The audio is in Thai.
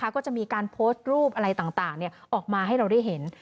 ก็จะมีการโพสต์รูปอะไรต่างออกมาให้เราได้เห็น